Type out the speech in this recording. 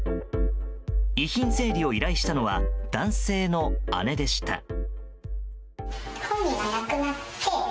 遺品整理を依頼したのは男性の姉でした。